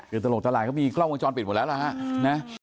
เกิดตลกตลายก็มีกล้องวงจรปิดหมดแล้วละฮะอืม